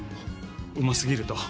うま過ぎると。